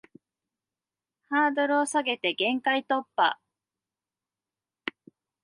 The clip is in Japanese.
ハードルを下げて限界突破